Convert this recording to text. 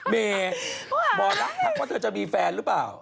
มีบอลรับทักว่าเธอจะมีแฟนหรือเปล่า